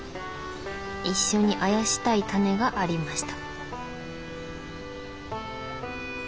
一緒にあやしたいタネがありました。